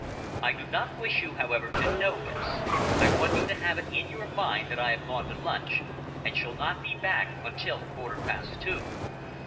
I do not wish you, however, to know this. I want you to have it in your mind that I have gone to lunch and shall not be back until a quarter past two.